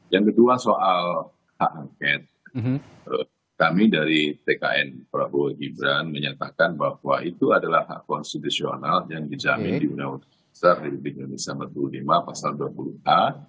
yang kedua soal hak angket kami dari tkn prabowo gibran menyatakan bahwa itu adalah hak konstitusional yang dijamin di undang undang dasar republik indonesia empat puluh lima pasal dua puluh a